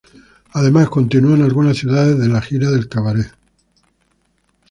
Además continuó en algunas ciudades de la gira de Cabaret.